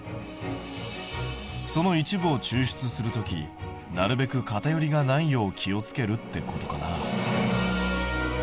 その一部を抽出する時なるべく偏りがないよう気をつけるってことかな。